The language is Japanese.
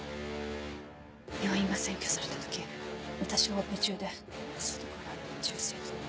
病院が占拠された時私はオペ中で外から銃声と。